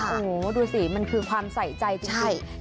โอ้โหดูสิมันคือความใส่ใจจริง